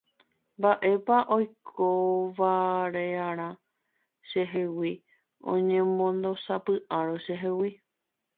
Mba'épa oikova'erã chehegui oñemondasapy'árõ chehegui